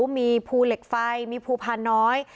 มีภูเหล็กไฟมีภูพานน้อย